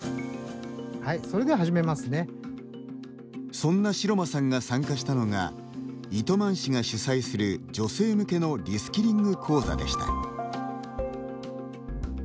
そんな城間さんが参加したのが糸満市が主催する、女性向けのリスキリング講座でした。